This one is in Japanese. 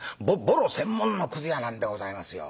ボロ専門のくず屋なんでございますよ。